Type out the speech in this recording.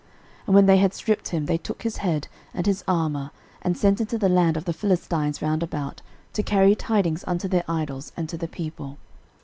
13:010:009 And when they had stripped him, they took his head, and his armour, and sent into the land of the Philistines round about, to carry tidings unto their idols, and to the people.